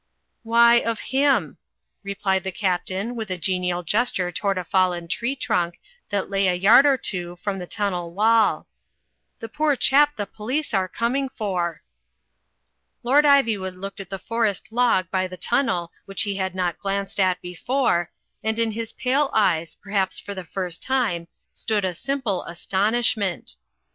''Why of him,!.' replied the Captain, with a genial gesture toward a fallen tree trunk that lay a yard or two from the tunnel wall, the poor chap the police are coming for." Lord Ivy wood looked at the forest log by the tunnel which he had not glanced at before, and in his pale eyes, perhaps for the first time, stood a simple astonish ment.